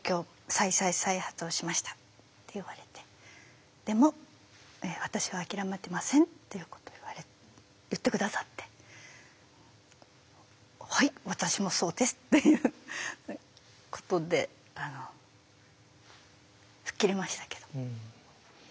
「再々再発をしました」って言われて「でも私は諦めてません」っていうことを言われ言って下さって「はい私もそうです」っていうことで吹っ切れましたけど。